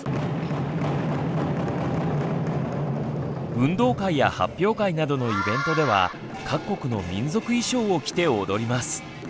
運動会や発表会などのイベントでは各国の民族衣装を着て踊ります。